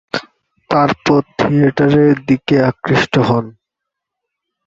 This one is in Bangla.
তারপর থিয়েটারের দিকে আকৃষ্ট হন।